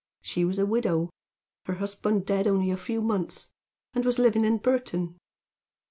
She was a widow; her husband dead only a few months; and was living in Burton.